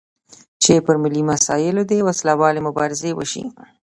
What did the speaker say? چې پر ملي مسایلو دې وسلوالې مبارزې وشي.